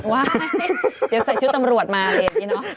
ว้ายเดี๋ยวใส่ชุดตำรวจมาเลยเนี่ยเนอะ